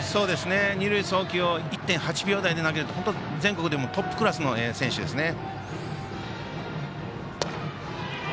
二塁送球を１．８秒台で投げるという本当、全国でもトップクラスの選手ですね。